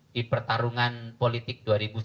di pertarungan politik dua ribu sembilan belas